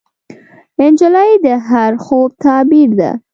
نجلۍ د هر خوب تعبیر ده.